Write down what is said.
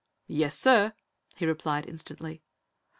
"Yes, sir," he replied instantly.